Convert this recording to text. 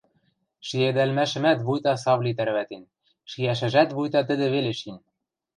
Шиэдӓлмӓшӹмӓт вуйта Савли тӓрвӓтен, шиӓшӹжӓт вуйта тӹдӹ веле шин.